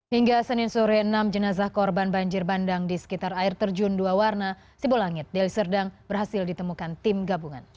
hingga senin sore enam jenazah korban banjir bandang di sekitar air terjun dua warna sibulangit deli serdang berhasil ditemukan tim gabungan